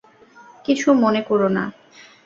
কিছু মনে কোরো না।